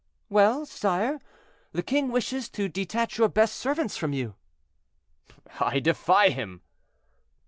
"Well, sire, the king wishes to detach your best servants from you." "I defy him."